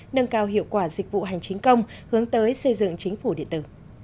nâng cao hiệu quả dịch vụ hành chính công hướng tới xây dựng chính phủ điện tử